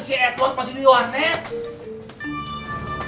si edward pasti di warnet